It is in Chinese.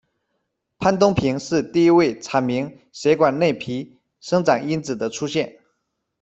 潘冬平是第一位阐明血管内皮生长因子的出现。